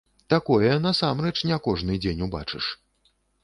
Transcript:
Такое насамрэч не кожны дзень убачыш.